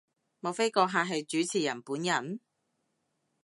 莫非閣下係主持人本人？